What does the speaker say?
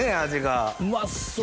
おうまそう！